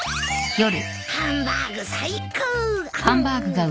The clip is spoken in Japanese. ハンバーグ最高。